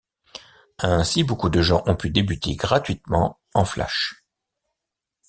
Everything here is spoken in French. Ainsi beaucoup de gens ont pu débuter gratuitement en Flash.